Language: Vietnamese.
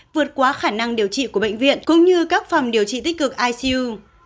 vượt quá khả năng điều trị của bệnh viện cũng như các phòng điều trị tích cực icu